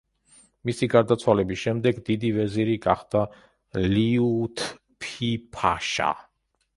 მისი გარდაცვალების შემდეგ დიდი ვეზირი გახდა ლიუთფი-ფაშა.